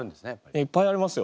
いっぱいありますよ。